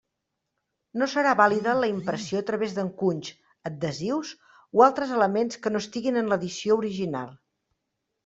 No serà vàlida la impressió a través d'encunys, adhesius o altres elements que no estiguen en l'edició original.